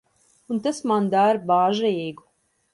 Un tas mani dara bažīgu.